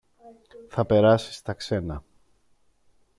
θα περάσει στα ξένα